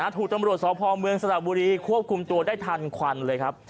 ถูกตำรวจสพเมืองสระบุรีควบคุมตัวได้ทันควันเลยครับ